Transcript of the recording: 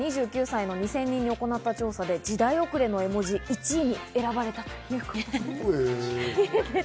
というのも１６歳から２９歳の２０００人に行った調査で、時代遅れの絵文字の１位に選ばれたということです。